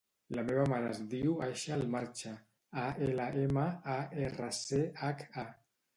La meva mare es diu Aixa Almarcha: a, ela, ema, a, erra, ce, hac, a.